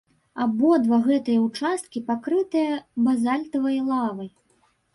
Абодва гэтыя ўчасткі пакрытыя базальтавай лавай.